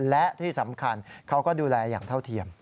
และที่สำคัญเขาก็ดูแลอย่างเท่าเทียม